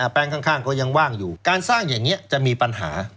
แป้งข้างก็ยังว่างอยู่การสร้างอย่างนี้จะมีปัญหา